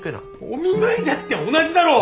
お見舞いだって同じだろ。